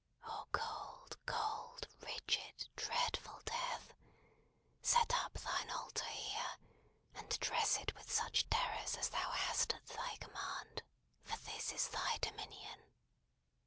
Oh cold, cold, rigid, dreadful Death, set up thine altar here, and dress it with such terrors as thou hast at thy command: for this is thy dominion!